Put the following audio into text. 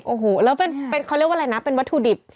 โอ้โหแล้วเป็นเขาเรียกว่าอะไรนะเป็นวัตถุดิบ